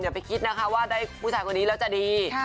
ไปคิดนะคะว่าได้ผู้ชายคนนี้แล้วจะดี